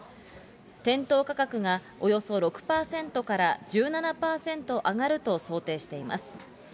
店頭価格がおよそ６％から１７％上がると想定しています。